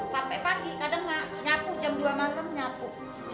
sampai pagi kadang nyapu jam dua malam nyapu